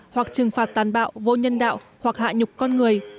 hoặc trừng phạt tàn bạo vô nhân đạo hoặc hạ nhục con người